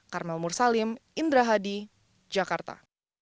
karmel mursalim indra hadi jakarta